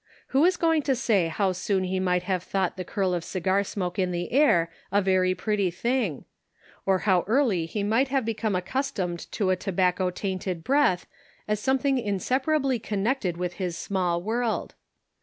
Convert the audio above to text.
"Who is going to say how soon he might have thought the curl of cigar smoke in the air a very pretty thing ? or how early he might have become accustomed to a tobacco tainted breath as something inseparately connected with his small world?